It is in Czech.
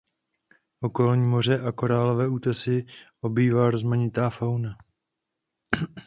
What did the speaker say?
Okolní moře a korálové útesy obývá rozmanitá fauna.